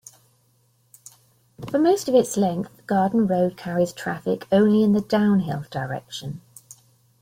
For most of its length, Garden Road carries traffic only in the downhill direction.